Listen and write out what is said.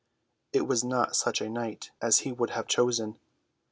It was not such a night as he would have chosen.